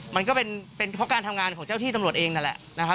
มันก็เป็นเพราะการทำงานของเจ้าที่ตำรวจเองนั่นแหละนะครับ